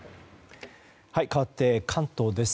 かわって、関東です。